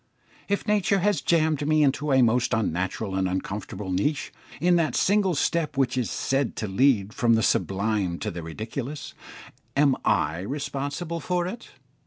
If nature has jammed me into a most unnatural and uncomfortable niche in that single step which is said to lead from the sublime to the ridiculous, am I responsible for it?